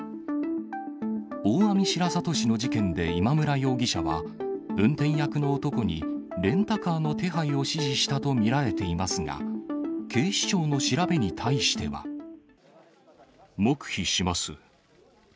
大網白里市の事件で今村容疑者は、運転役の男に、レンタカーの手配を指示したと見られていますが、黙秘します。